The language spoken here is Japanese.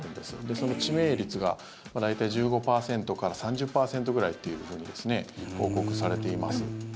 その致命率が大体、１５％から３０％くらいというふうに報告されています。